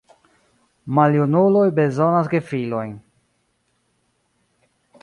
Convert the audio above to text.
Maljunuloj bezonas gefilojn.